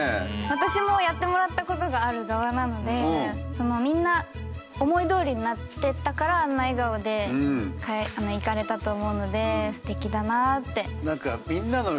私もやってもらった事がある側なのでみんな思いどおりになってたからあんな笑顔で行かれたと思うので素敵だなって。